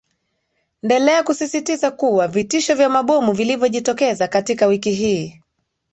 ndelea kusisitiza kuwa vitisho vya mabomu vilivyo jitokeza katika wiki hii